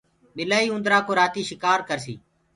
ٻلآئيٚ اُوندرآ ڪو رآتي شِڪآر ڪرسي۔